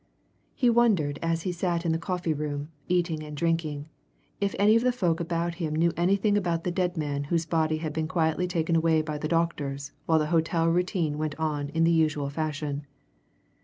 He wondered as he sat in the coffee room, eating and drinking, if any of the folk about him knew anything about the dead man whose body had been quietly taken away by the doctors while the hotel routine went on in its usual fashion.